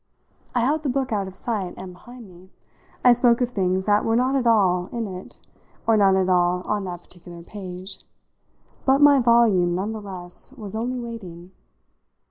I held the book out of sight and behind me; I spoke of things that were not at all in it or not at all on that particular page; but my volume, none the less, was only waiting.